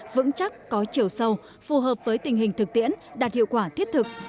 vững chắc có chiều sâu phù hợp với tình hình thực tiễn đạt hiệu quả thiết thực